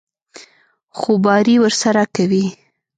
خوباري ورسره کوي.